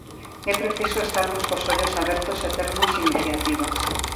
É preciso estarmos cos ollos abertos e termos iniciativas.